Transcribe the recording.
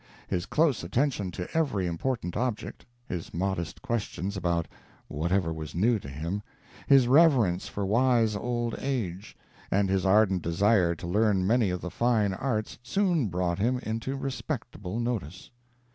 His close attention to every important object his modest questions about whatever was new to him his reverence for wise old age, and his ardent desire to learn many of the fine arts, soon brought him into respectable notice.